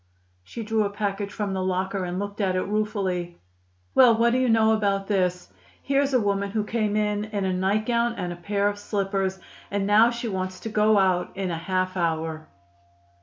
She drew a package from the locker and looked at it ruefully. "Well, what do you know about this? Here's a woman who came in in a nightgown and pair of slippers. And now she wants to go out in half an hour!"